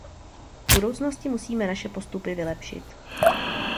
V budoucnosti musíme naše postupy vylepšit.